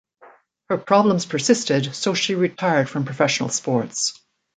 Her problems persisted, so she retired from professional sports.